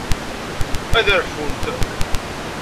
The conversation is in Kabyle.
Ad rfunt.